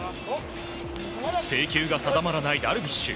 制球が定まらないダルビッシュ。